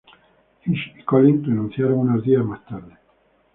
Hitch y Collins renunciaron unos días más tarde.